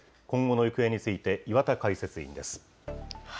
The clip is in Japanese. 今後の行方について、岩田解説委員です。